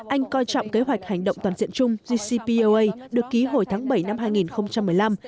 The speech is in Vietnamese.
anh coi trọng kế hoạch hành động toàn diện chung gcpoa được ký hồi tháng bảy năm hai nghìn một mươi năm